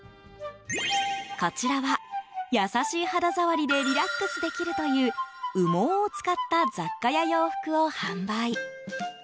こちらは優しい肌触りでリラックスできるという羽毛を使った雑貨や洋服を販売。